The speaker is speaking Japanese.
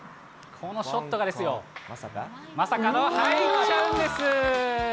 このショットがですよ、まさかの、入っちゃうんです。